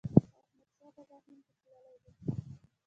احمد شاه بابا هند ته تللی و.